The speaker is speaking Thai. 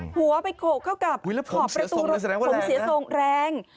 หัวไปโขกกับขอบประตูรถแรง